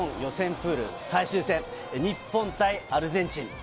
プール最終戦、日本対アルゼンチン。